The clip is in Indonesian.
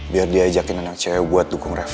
biar diajakin anak cewek buat dukung reva